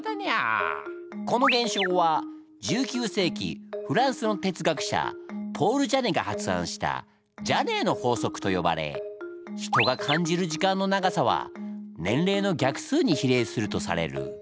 この現象は１９世紀フランスの哲学者ポール・ジャネが発案したジャネーの法則とよばれ人が感じる時間の長さは年齢の逆数に比例するとされる。